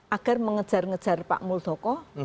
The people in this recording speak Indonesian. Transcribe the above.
agar mengejar ngejar pak muldoko